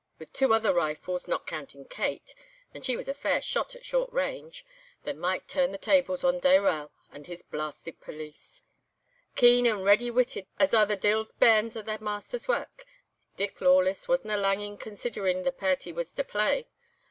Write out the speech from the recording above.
With two other rifles, not counting Kate (and she was a fair shot at short range), they might turn the tables on Dayrell and his blasted police. "Keen and ready witted as are the de'il's bairns at their master's wark, Dick Lawless wasna lang in conseedering the pairt he was to play.